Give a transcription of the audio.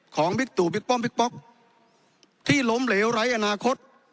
ของปิกตู่ปิกป้อมปิกป๊อกที่ล้มเหลวไร้อนาคต